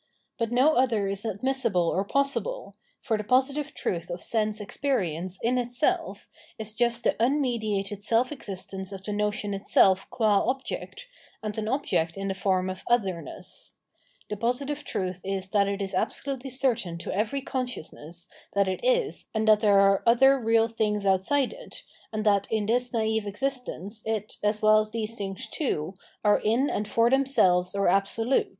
But no other is admis sible or possible, for the positive truth of sense experi ence in itself is just the unmediated self existence of the notion itself qua object and an object in the form of otherness — the positive truth is that it is absolutely certain to every consciousness that it is and that there are other real things outside it, and that in its naive existence it, as well as these things too, are in and for themselves or absolute.